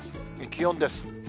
気温です。